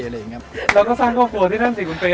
แล้วก็สร้างครอบครัวที่ท่านสิคุณเป็น